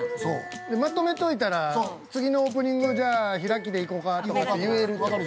◆まとめておいたら次のオープニング、じゃあ開きでいこかとかって言える。